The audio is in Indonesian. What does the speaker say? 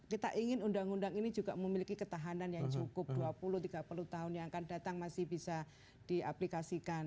kita ingin undang undang ini juga memiliki ketahanan yang cukup dua puluh tiga puluh tahun yang akan datang masih bisa diaplikasikan